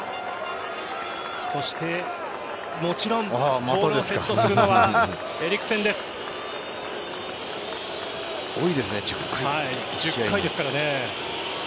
そして、もちろんボールをセットするのは多いですね、１０回って。